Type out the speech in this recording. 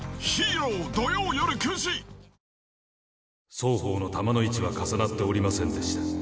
双方の弾の位置は重なっておりませんでした。